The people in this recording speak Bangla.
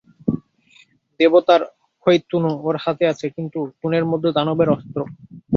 দেবতার অক্ষয় তূণ ওর হাতে আছে, কিন্তু তূণের মধ্যে দানবের অস্ত্র।